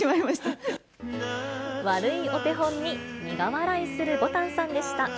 悪いお手本に苦笑いするぼたんさんでした。